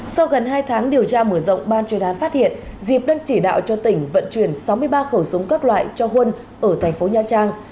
sau gần hai tháng điều tra mở rộng ban chuyên án phát hiện diệp đang chỉ đạo cho tỉnh vận chuyển sáu mươi ba khẩu súng các loại cho huân ở thành phố nha trang